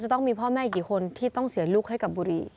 ต้องมีพ่อแม่กี่คนที่ต้องเสียลูกให้กับบุรี